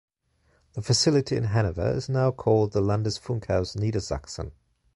The facility in Hanover is now called the Landesfunkhaus Niedersachsen.